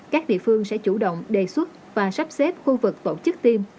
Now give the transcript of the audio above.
các địa phương sẽ chủ động đề xuất và sắp xếp khu vực tổ chức tiêm